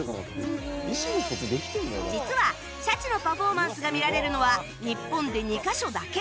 実はシャチのパフォーマンスが見られるのは日本で２カ所だけ